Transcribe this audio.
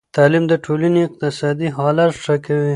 تعلیم د ټولنې اقتصادي حالت ښه کوي.